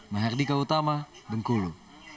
mahardika utama bengkulu